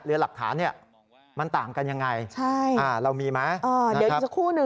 หลักฐานเนี่ยมันต่างกันยังไงใช่อ่าเรามีไหมอ๋อเดี๋ยวอีกสักครู่หนึ่ง